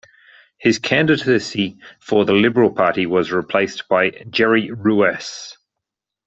His candidacy for the Liberal party was replaced by Gerry Ruehs.